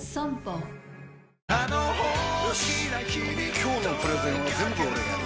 今日のプレゼンは全部俺がやる！